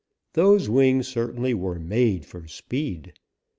Those wings certainly were made for speed.